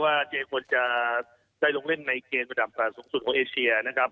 เจควรจะได้ลงเล่นในเกมระดับสูงสุดของเอเชียนะครับ